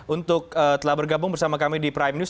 untuk telah bergabung bersama kami di prime news